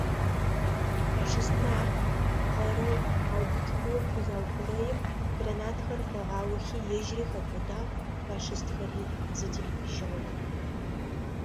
Фашистмэ ар гъэрэу аубытынэу къызаухъурэим, гранатхэр къыгъаохи ежьыри хэкӏодагъ, фашистхэри зыдихьыжьыгъэх.